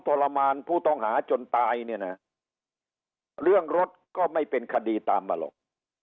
ทรมานผู้ต้องหาจนตายเนี่ยนะเรื่องรถก็ไม่เป็นคดีตามมาหรอก